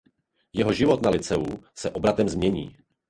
Jeho život na lyceu se obratem změní.